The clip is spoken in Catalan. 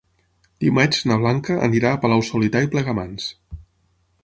Dimarts na Blanca anirà a Palau-solità i Plegamans.